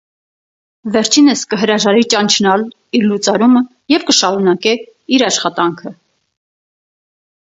Վերջինս կը հրաժարի ճանչնալէ իր լուծարումը եւ կը շարունակէ իր աշխատանքը։